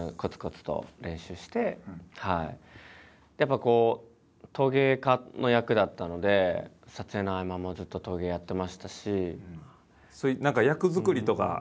やっぱこう陶芸家の役だったので撮影の合間もずっと陶芸やってましたし。